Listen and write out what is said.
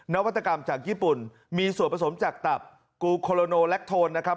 นวัตกรรมจากญี่ปุ่นมีส่วนผสมจากตับกูโคโลโนแลคโทนนะครับ